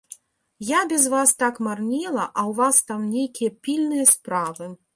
Я без вас так марнела, а ў вас там нейкія пільныя справы.